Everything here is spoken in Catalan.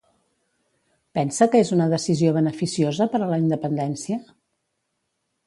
Pensa que és una decisió beneficiosa per a la independència?